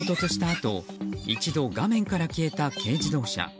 衝突したあと一度画面から消えた軽自動車。